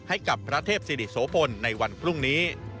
ให้กับพระเทพศิริโสพลในวันพรุ่งนี้